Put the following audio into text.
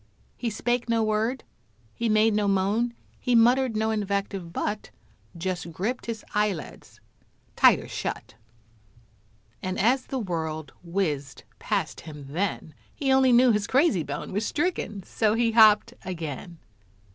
He spake no word he made no moan He muttered no invective but Just gripped his eyelids tighter shut, And as the world whizzed past him then, He only knew his crazy bone Was stricken so he hopped again.